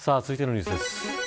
続いてのニュースです。